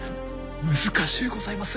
難しゅうございます。